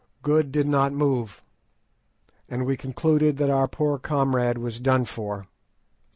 Good did not move, and we concluded that our poor comrade was done for.